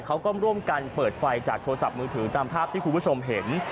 เขาก็ร่วมกันเปิดไฟจากโทรศัพท์มือถือตามภาพที่คุณผู้ชมเห็น